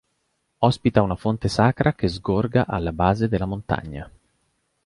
Ospita una fonte sacra che sgorga alla base della montagna.